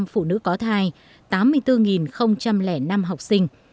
năm chín trăm năm mươi năm phụ nữ có thai tám mươi bốn năm học sinh